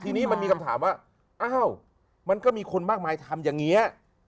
ทีนี้มันมีคำถามว่าอ้าวมันก็มีคนมากมายทำอย่างนี้